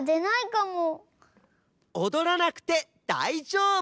おどらなくてだいじょうぶ！